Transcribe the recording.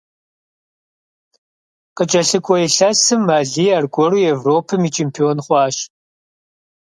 КъыкӀэлъыкӀуэ илъэсым Алий аргуэру Европэм и чемпион хъуащ.